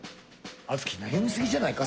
敦貴悩みすぎじゃないか？